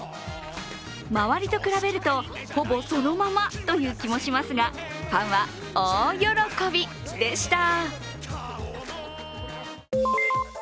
周りと比べるとほぼそのままという気もしますが、ファンは大喜びでした。